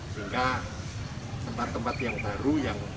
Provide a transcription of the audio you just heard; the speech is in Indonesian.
sehingga tempat tempat yang baru yang